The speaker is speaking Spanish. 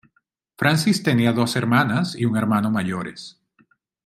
Frances tenía dos hermanas y un hermano mayores.